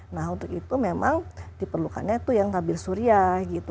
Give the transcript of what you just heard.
nah untuk itu memang diperlukannya yang tampil surya gitu